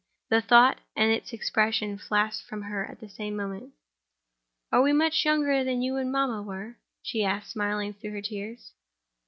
The thought and its expression flashed from her at the same moment. "Are we much younger than you and mamma were?" she asked, smiling through her tears.